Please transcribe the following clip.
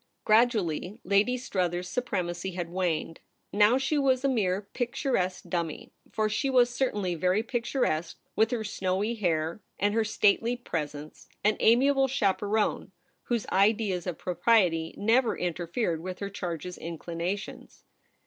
Gradually Lady Struthers's supremacy had waned ; now she was a mere picturesque dummy — for she was certainly very picturesque with her snowy hair and her stately presence — an amiable chaperone whose ideas of propriety never in terfered with her charge's inclinations.